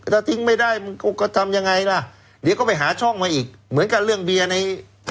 ถ้าทิ้งไม่ได้มันก็ทำยังไงล่ะเดี๋ยวก็ไปหาช่องมาอีกเหมือนกับเรื่องเบียร์ใน